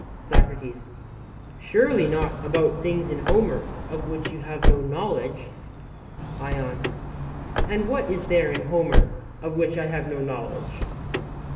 SOCRATES: Surely not about things in Homer of which you have no knowledge? ION: And what is there in Homer of which I have no knowledge?